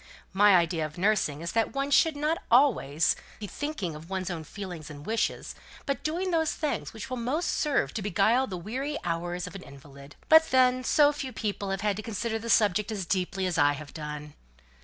My idea of nursing is that one should not be always thinking of one's own feelings and wishes, but doing those things which will most serve to beguile the weary hours of an invalid. But then so few people have had to consider the subject so deeply as I have done!"